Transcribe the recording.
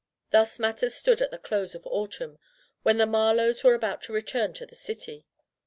Thus matters stood at the close of autumn, when the Marlowes were about to return to the city.